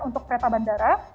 untuk kereta bandara